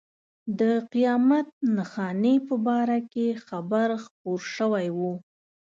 د قیامت نښانې په باره کې خبر خپور شوی و.